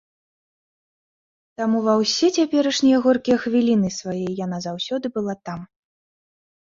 Таму ва ўсе цяперашнія горкія хвіліны свае яна заўсёды была там.